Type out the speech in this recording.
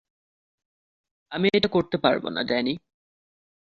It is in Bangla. আমি এটা করতে পারবো না, ড্যানি।